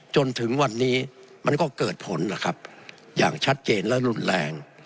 จนถึงวันนี้มันก็เกิดผลนะครับอย่างชัดเจนและรุนแรง